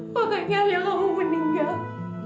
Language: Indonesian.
makanya ayahmu meninggal